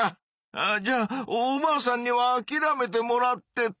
あじゃあおばあさんにはあきらめてもらってと。